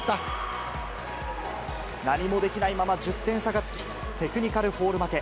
何もできなかったまま１０点差がつき、テクニカルフォール負け。